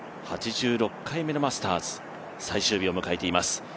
８６回目のマスターズ、最終日を迎えています。